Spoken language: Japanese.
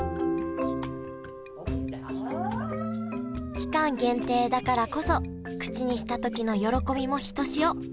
期間限定だからこそ口にした時の喜びもひとしお。